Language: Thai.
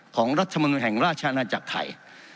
ของรัฐธรรมนูนแห่งราชอาณาจักรไทย